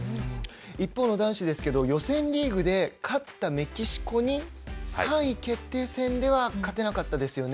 一方の男子ですけど予選リーグで勝ったメキシコに３位決定戦では勝てなかったですよね。